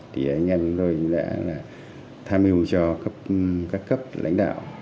thì anh em tôi đã tham hiu cho các cấp lãnh đạo